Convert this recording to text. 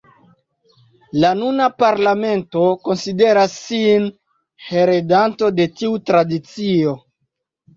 La nuna parlamento konsideras sin heredanto de tiu tradicio.